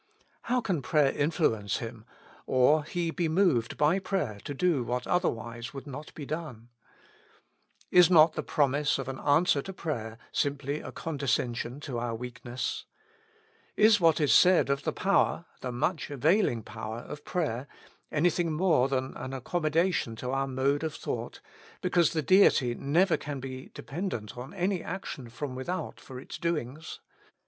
How can prayer influence Him, or He be moved by prayer to do what other wise would not be done ? Is not the promise of an answer to prayer simply a condescension to our weak 136 With Christ in the School of Prayer. ness ? Is what is said of the power — the much avail ing power — of prayer anything more than an accom modation to our mode of thought, because the Deity never can be dependent on any action from without for its doings